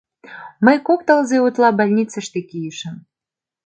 Мый кок тылзе утла больницыште кийышым.